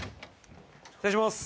失礼します。